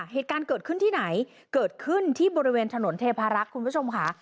เหตุการณ์เกิดขึ้นที่ไหนเกิดขึ้นที่บริเวณถนนเทพารักษ์คุณผู้ชมค่ะ